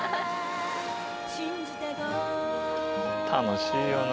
楽しいよな。